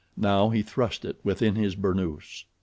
Now he thrust it within his burnous.